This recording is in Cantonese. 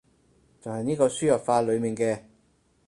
就係呢個輸入法裏面嘅